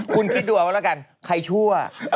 คุณคิดดูเอาก็แล้วกันใครชั่ว